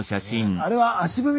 あれは足踏み。